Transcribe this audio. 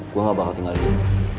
gue ga bakal tinggal di sini